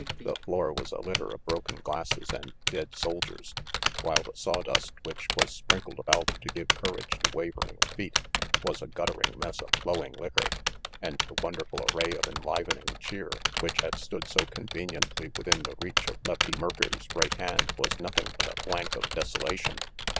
The floor was a litter of broken glasses and "dead soldiers," while the saw dust which was sprinkled about to give courage to wavering feet was a guttering mess of flowing liquor, and the wonderful array of enlivening cheer which had stood so conveniently within the reach of Lefty Merker's right hand was nothing but a blank of desolation.